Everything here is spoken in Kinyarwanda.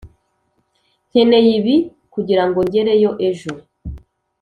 nkeneye ibi kugirango ngereyo ejo.